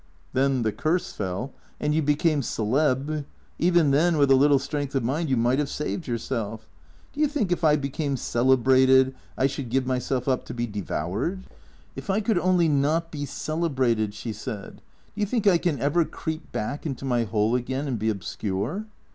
" Then the curse fell, and jou became celeb Even then, with a little strength of mind, you might have saved yourself. Do you think, if I became celebrated, I should give myself up to be devoured ?"" If I could only not be celebrated," she said. " Do you think I can ever creep back into my hole again and be obscure